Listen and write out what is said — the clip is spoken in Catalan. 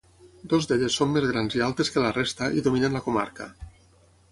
Dues d'elles són més grans i altes que la resta i dominen la comarca.